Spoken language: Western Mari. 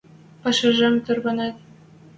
Пӓшӓжӹм тӓрвӓтен.